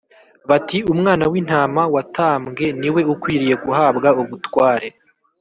bati “Umwana w’Intama watambwe ni we ukwiriye guhabwa ubutware,